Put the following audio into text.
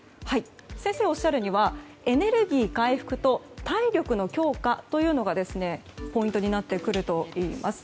先生がおっしゃるにはエネルギー回復と体力の強化がポイントになってくるといいます。